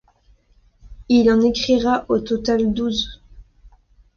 Il en écrira au total douze.